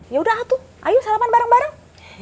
yaudah atu ayo sarapan bareng bareng